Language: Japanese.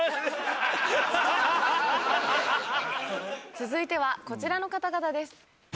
続いてはこちらの方々です。